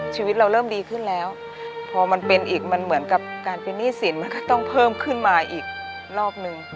ชีวิตเราเริ่มดีขึ้นแล้วพอมันเป็นอีกมันเหมือนกับการเป็นหนี้สินมันก็ต้องเพิ่มขึ้นมาอีกรอบนึง